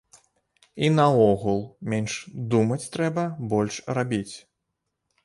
І наогул, менш думаць трэба, больш рабіць.